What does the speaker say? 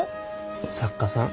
作家さん。